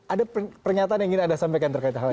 ada pernyataan yang ingin anda sampaikan terkait hal ini